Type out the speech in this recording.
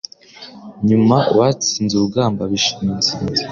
nyuma batsinze urugamba bishimira insinzi,